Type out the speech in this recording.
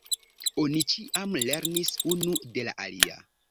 Oni ĉiam lernis unu de la alia.